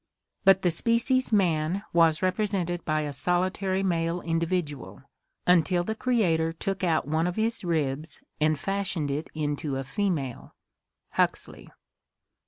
But the species man was represented by a solitary male individual, until the Creator took out one of his ribs and fashioned it into a female" (Huxley).